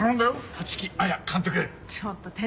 立木彩監督！